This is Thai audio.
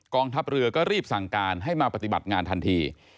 ทัพเรือก็รีบสั่งการให้มาปฏิบัติงานทันที